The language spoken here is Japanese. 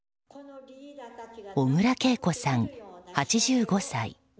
小倉桂子さん、８５歳。